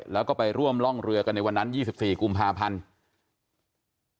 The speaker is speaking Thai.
แล้วก็ไปร่วมร่องเรือกันในวันนั้น๒๔กุมภาพันธ์